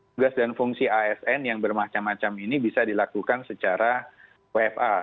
tugas dan fungsi asn yang bermacam macam ini bisa dilakukan secara wfa